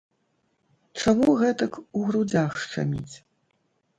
Чаму гэтак у грудзях шчаміць?